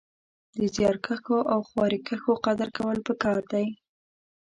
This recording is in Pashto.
د زيارکښو او خواريکښو قدر کول پکار دی